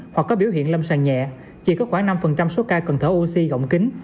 hoặc có biểu hiện lâm sàng nhẹ chỉ có khoảng năm số ca cần thở oxy rộng kính